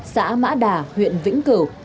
xã mã đà huyện vĩnh cửu